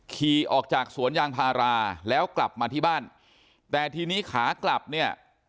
ขี่ออกจากสวนยางพาราแล้วกลับมาที่บ้านแต่ทีนี้ขากลับเนี่ย